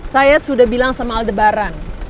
saya sudah bilang sama aldebaran